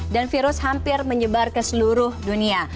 dan virus hampir menyebar ke seluruh dunia